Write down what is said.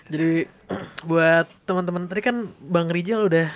jadi buat temen temen tadi kan bang rijal udah